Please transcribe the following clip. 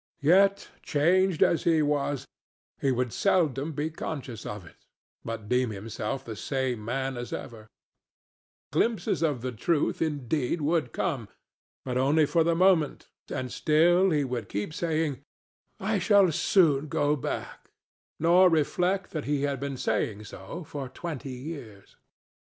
Yet, changed as he was, he would seldom be conscious of it, but deem himself the same man as ever; glimpses of the truth, indeed, would come, but only for the moment, and still he would keep saying, "I shall soon go back," nor reflect that he had been saying so for twenty years.